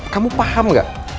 kamu paham gak